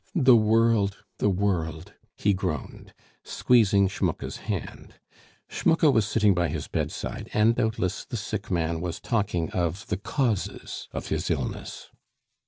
Oh! the world, the world!" he groaned, squeezing Schmucke's hand. Schmucke was sitting by his bedside, and doubtless the sick man was talking of the causes of his illness.